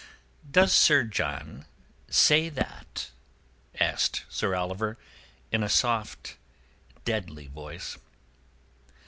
"Does Sir John say that?" asked Sir Oliver, in a soft deadly voice.